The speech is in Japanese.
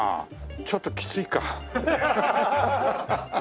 ちょっときついか。